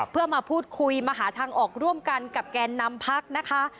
เพื่อมาพูดคุยมาหาทางออกร่วมกันกับแกนนำพักนะคะ